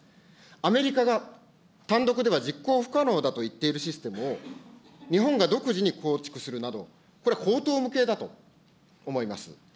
アメリカが単独では実行不可能だと言っているシステムを、日本が独自に構築するなど、これは荒唐無稽だと思います。